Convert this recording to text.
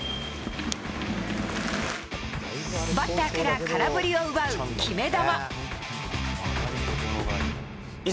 バッターから空振りを奪う決め球。